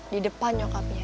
di depan nyokapnya